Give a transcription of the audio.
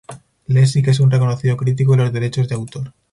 Lessig es un reconocido crítico de los derechos de autor.